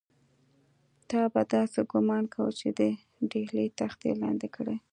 تا به داسې ګومان کاوه چې د ډهلي تخت یې لاندې کړی.